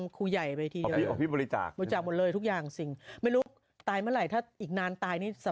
สุพรรณทรีย์